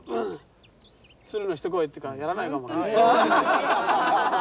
「鶴の一声」っていうからやらないかも。